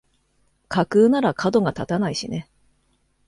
架空ならかどが立たないしね